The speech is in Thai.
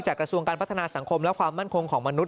กระทรวงการพัฒนาสังคมและความมั่นคงของมนุษ